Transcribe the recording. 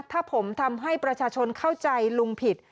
ถ้าผมทำให้ประชาชนเข้าใจลุงผิด